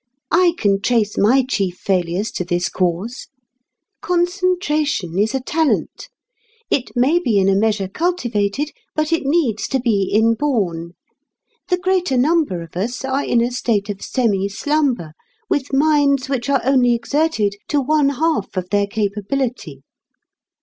I can trace my chief failures to this cause. Concentration, is a talent. It may be in a measure cultivated, but it needs to be inborn.... The greater number of us are in a state of semi slumber, with minds which are only exerted to one half of their capability."